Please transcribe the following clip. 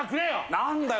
何だよ？